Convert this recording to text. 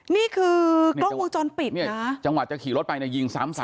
นี่คือกล้องวงจรปิดเนี่ยนะจังหวะจะขี่รถไปเนี่ยยิงซ้ำ